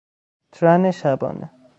ترن شبانه